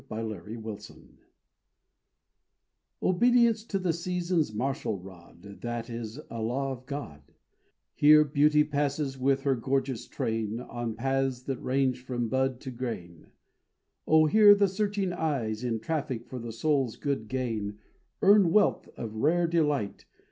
ALLELUIA HEIGHT Obedience to the seasons' marshall rod, That is a law of God, Here beauty passes with her gorgeous train, On paths that range from bud to grain. O, here the searching eyes In traffic for the soul's good gain Earn wealth of rare delight.